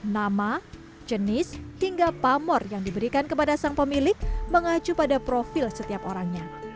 nama jenis hingga pamor yang diberikan kepada sang pemilik mengacu pada profil setiap orangnya